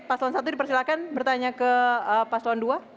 pasangan satu dipersilakan bertanya ke pasangan dua